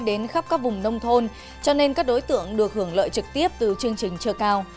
đến khắp các vùng nông thôn cho nên các đối tượng được hưởng lợi trực tiếp từ chương trình chưa cao